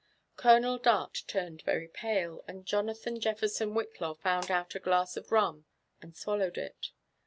Colonel Dart turned very pale, and Jonathan Jefferson Whitlaw found out a glass of rum and swallowed it.